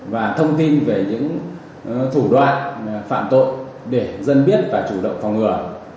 và thông tin về những thủ đoạn phạm tội để dân biết và chủ động phòng ngừa